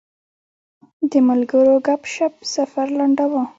د ملګرو ګپ شپ سفر لنډاوه.